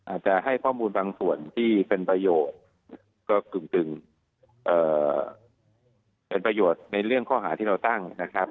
อาจจะให้ข้อมูลบางส่วนที่เป็นประโยชน์ก็กึ่งเป็นประโยชน์ในเรื่องข้อหาที่เราตั้งนะครับ